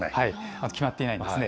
決まっていないんですね。